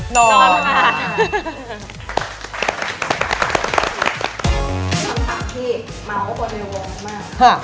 นอนค่ะ